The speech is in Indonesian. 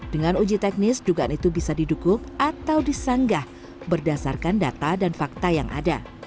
dengan uji teknis dugaan itu bisa didukung atau disanggah berdasarkan data dan fakta yang ada